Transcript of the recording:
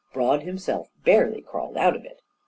Broad himself barely crawled out of it.